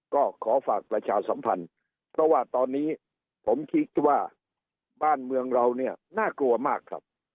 ก็ขอฝากประชาสัมพันธ์เพราะว่าตอนนี้ผมคิดว่าบ้านเมืองเราเนี่ยน่ากลัวมากครับ